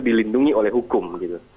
dilindungi oleh hukum gitu